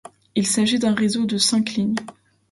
Il s'agit d'un réseau de cinq lignes.